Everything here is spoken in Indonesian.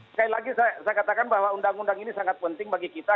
sekali lagi saya katakan bahwa undang undang ini sangat penting bagi kita